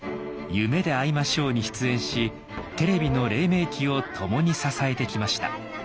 「夢であいましょう」に出演しテレビのれい明期を共に支えてきました。